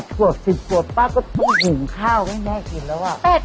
ขวบ๑๐ขวบป้าก็ต้องหุงข้าวให้แม่กินแล้ว